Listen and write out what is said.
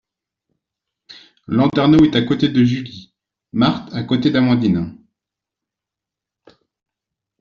Landernau est à côté de Julie, Marthe à côté d’Amandine.